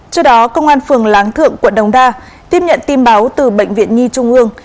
trước đó công an phường láng thượng quận đông đa tiếp nhận tin báo từ bệnh viện nhi trung ương